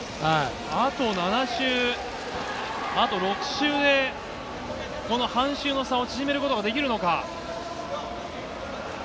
あと７周、あと６周で、この半周の差を縮めることができるのか。